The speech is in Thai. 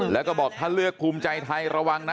แล้วก็บอกถ้าเลือกภูมิใจไทยระวังนะ